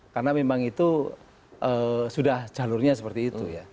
karena memang itu sudah jalurnya seperti itu